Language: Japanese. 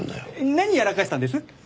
何やらかしたんです？